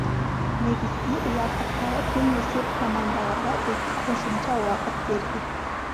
Негизги убакыттагы тең эсеп командаларга эки кошумча убакыт берди.